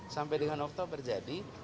sampai dengan oktober jadi